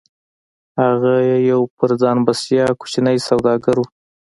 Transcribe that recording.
هغه يو پر ځان بسيا کوچنی سوداګر و.